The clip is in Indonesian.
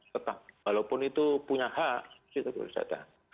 tetap walaupun itu punya hak tetap harus ada